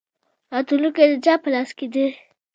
راتلونکی د چا په لاس کې دی؟